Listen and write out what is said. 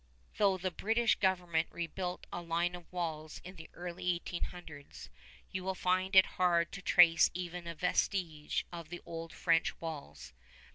Though the British government rebuilt a line of walls in the early eighteen hundreds, you will find it hard to trace even a vestige of the old French walls.